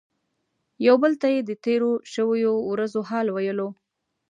یو بل ته یې د تیرو شویو ورځو حال ویلو.